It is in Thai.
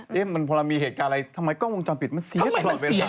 เฮ้ยมันพอเรามีเหตุการณ์อะไรทำไมกล้องวงจรปิดเสียตลอดมาก